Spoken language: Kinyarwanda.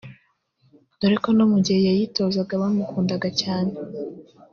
dore ko no mu gihe yayitozaga bamukundaga cyane